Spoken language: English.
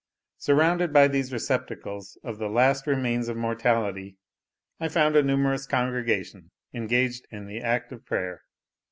Surrounded by these receptacles of the last remains of mortality, I found a numerous congregation engaged in the act of prayer.